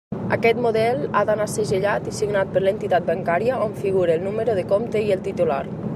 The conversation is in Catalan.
Aquest model ha d'anar segellat i signat per l'entitat bancària, on figure el número de compte i el titular.